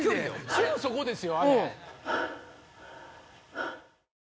すぐそこですよ。